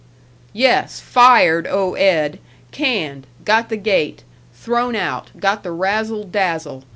"Yes, fired oh Ed. Canned. Got the gate. Thrown out. Got the razzle dazzle.